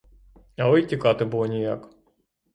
Але й тікати було ніяк.